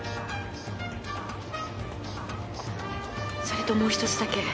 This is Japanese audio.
それともうひとつだけ。